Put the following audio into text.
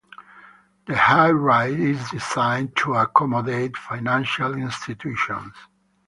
The highrise is designed to accommodate financial institutions.